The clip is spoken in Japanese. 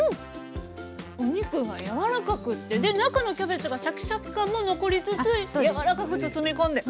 お肉が柔らかくって中のキャベツがシャキシャキ感も残りつつ柔らかく包み込んで。